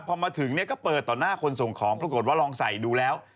พอมาถึงเนี่ยก็เปิดต่อหน้าคนส่งของปรากฏว่าลองใส่ดูแล้ว